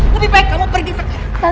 lebih baik kamu pergi pakai